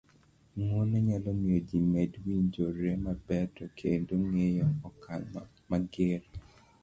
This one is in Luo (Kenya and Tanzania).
ng'uono nyalo miyo ji med winjore maber to kendo geng'o okang' mager